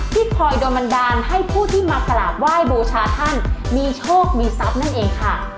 คอยโดนบันดาลให้ผู้ที่มากราบไหว้บูชาท่านมีโชคมีทรัพย์นั่นเองค่ะ